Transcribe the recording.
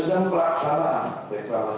sudah berlaksana reklamasi